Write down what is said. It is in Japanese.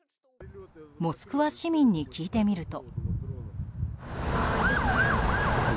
モスクワ市民に聞いてみると。